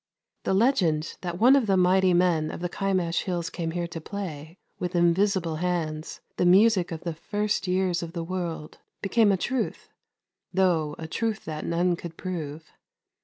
The legend tliat one of the Mighty Men of the Kimash Hills came here to play, with invisible hands, the music of the first years of the world, became a truth, though a truth that none could prove.